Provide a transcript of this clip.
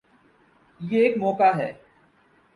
یہ ایک موقع ہے۔